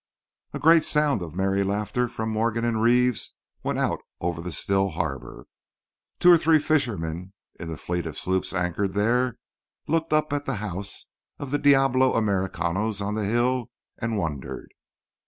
A great sound of merry laughter from Morgan and Reeves went out over the still harbour. Two or three fishermen in the fleet of sloops anchored there looked up at the house of the diablos Americanos on the hill and wondered.